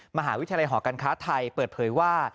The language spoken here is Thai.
มหาวิทยาลัยหอการค้าไทยเปิดเผยว่า